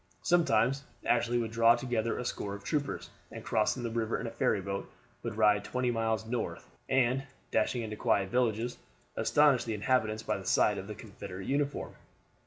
Sometimes Ashley would draw together a score of troopers, and crossing the river in a ferryboat, would ride twenty miles north, and, dashing into quiet villages, astonish the inhabitants by the sight of the Confederate uniform.